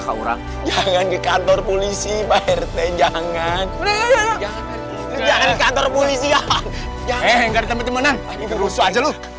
ke orang jangan ke kantor polisi pak rete jangan jangan kantor polisi jangan jangan